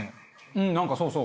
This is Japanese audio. うんなんかそうそう。